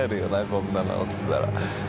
こんなの起きてたら。